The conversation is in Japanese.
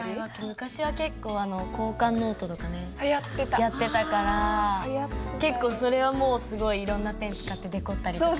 昔は結構交換ノートとかねやってたから結構それはもうすごいいろんなペン使ってデコったりとか。